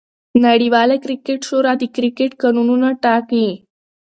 نړۍواله کرکټ شورا د کرکټ قانونونه ټاکي.